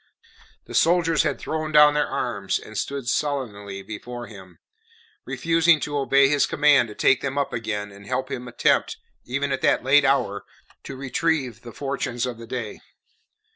The soldiers had thrown down their arms and stood sullenly before him, refusing to obey his command to take them up again and help him attempt, even at that late hour, to retrieve the fortunes of the day.